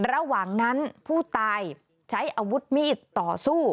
ระหว่างนั้นผู้ตายใช้อาวุธมีดต่อสู้